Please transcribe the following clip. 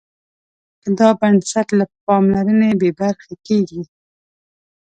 که دا بنسټ له پاملرنې بې برخې کېږي.